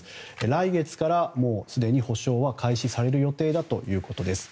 来月からすでに補償は開始される予定だということです。